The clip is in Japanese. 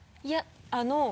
いやあの。